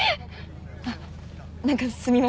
あっなんかすみません